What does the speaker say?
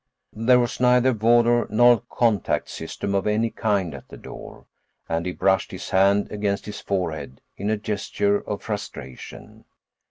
There was neither vodor nor contact system of any kind at the door, and he brushed his hand against his forehead in a gesture of frustration.